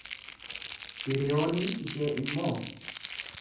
Hiriyoonni ishee immoo,